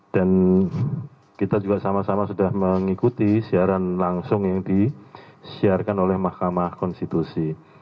dan kita juga sama sama sudah mengikuti siaran langsung yang disiarkan oleh mahkamah konstitusi